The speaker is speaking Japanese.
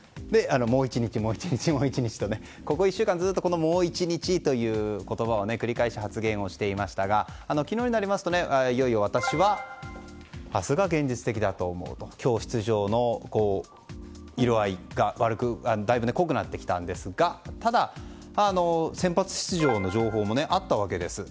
もう１日、もう１日とここ１週間ずっともう１日という言葉を繰り返し、発言をしていましたが昨日になりますといよいよ、私は明日が現実的だと思うと今日出場の色合いがだいぶ濃くなってきたんですがただ、先発出場の情報もあったわけです。